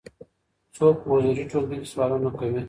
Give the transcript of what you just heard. څوک په حضوري ټولګي کي سوالونه کوي؟